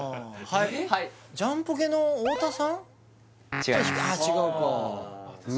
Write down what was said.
はいはいジャンポケの太田さん違います